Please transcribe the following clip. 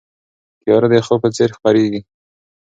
تیاره د خوب په څېر خپرېږي.